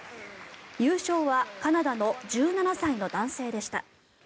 優勝はカナダの１７歳の男性でした。